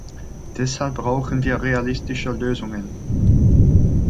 Deshalb brauchen wir realistische Lösungen.